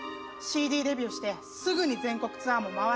ＣＤデビューしてすぐに全国ツアーも回ってもらう。